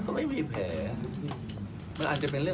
แต่ถ้าเรามีการดูแลเรื่อย